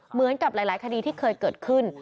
เหมือนกับหลายคดีที่เคยเกิดขึ้น